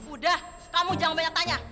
udah kamu jangan banyak tanya